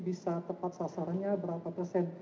bisa tepat sasarannya berapa persen